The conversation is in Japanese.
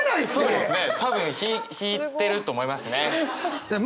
そうですね。